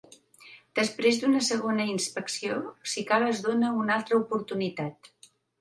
Després d’una segona inspecció, si cal es dóna una altra oportunitat.